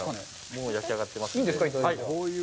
もう焼き上がってますので。